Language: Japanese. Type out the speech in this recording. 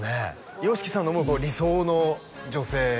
ＹＯＳＨＩＫＩさんの思う理想の女性